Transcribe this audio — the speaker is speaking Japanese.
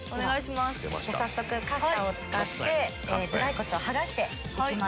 では早速カッサを使って頭蓋骨を剥がしていきます。